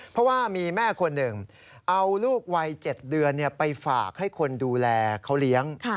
เพราะว่ามีแม่คนหนึ่งเอาลูกวัย๗เดือนไปฝากให้คนดูแลเขาเลี้ยง